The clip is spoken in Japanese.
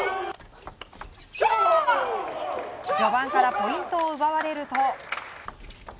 序盤からポイントを奪われると。